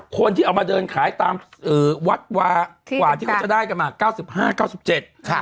คนที่เอามาเดินขายตามวัดกว่าที่เขาจะได้กันมา๙๕๙๗